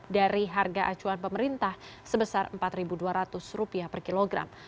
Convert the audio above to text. dari harga acuan pemerintah sebesar rp empat dua ratus per kilogram